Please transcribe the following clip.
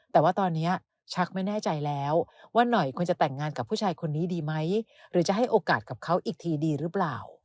แต่ว่าตอนนี้ชักไม่แน่ใจแล้วว่าหน่อยควรจะแต่งงานกับผู้ชายคนนี้ดีไหมหรือจะให้โอกาสกับเขาอีกทีดีหรือเปล่า